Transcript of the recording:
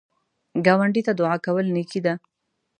ګاونډي ته دعا کول نیکی ده